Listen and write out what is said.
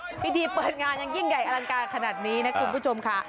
พิธีเปิดงานยังยิ่งใหญ่อลังการขนาดนี้นะคุณผู้ชมค่ะ